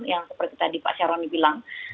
yang seperti tadi pak syaroni bilang